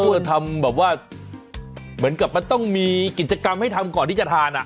เพื่อทำแบบว่าเหมือนกับมันต้องมีกิจกรรมให้ทำก่อนที่จะทานอ่ะ